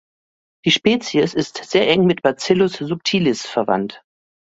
Die Spezies ist sehr eng mit "Bacillus subtilis" verwandt.